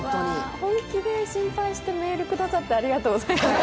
本気で心配してくださってメールありがとうございます。